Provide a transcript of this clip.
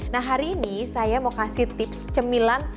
nah hari ini saya mau kasih tips cemilan